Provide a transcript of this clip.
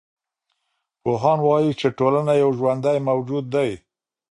پوهان وايي چي ټولنه یو ژوندی موجود دی.